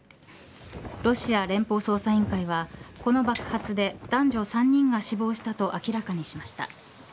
ロシア連邦捜査委員会はこの爆発で男女３人が死亡したと明らかにしました。